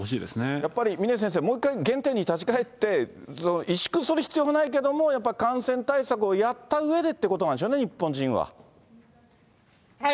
やっぱり、峰先生、もう一回原点に立ち返って、委縮する必要はないけれども、やっぱり感染対策をやったうえでっていうことなんでしょうね、日本人はね。